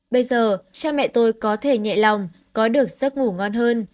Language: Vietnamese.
bây giờ cha mẹ tôi có thể nhẹ lòng có được giấc ngủ ngon hơn